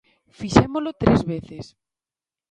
Fixémolo tres veces.